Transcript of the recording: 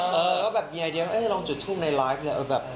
เขาแบบมีไอเดียวลองจุดทูปในไลฟ์